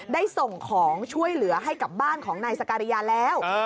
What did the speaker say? ได้ส่งของช่วยเหลือให้กับบ้านของนายสการิยาแล้ว